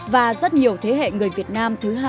và rất nhiều thế hệ người việt nam thứ hai